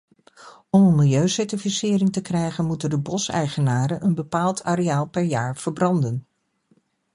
Om een milieucertificering te krijgen, moeten de boseigenaren een bepaald areaal per jaar verbranden.